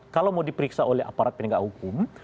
kalau mau diperiksa oleh aparat penegak hukum